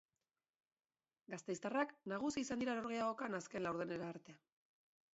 Gasteiztarrak nagusi izan dira norgehiagokan azken laurdenera arte.